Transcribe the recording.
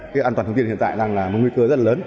cái an toàn thông tin hiện tại đang là một nguy cơ rất lớn